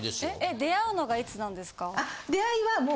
出会うのがいつなんですか？